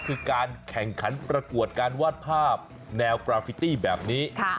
คือการแข่งขันประกวดการวาดภาพแนวปราฟิตี้แบบนี้